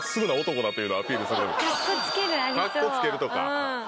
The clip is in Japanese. カッコつけるとか。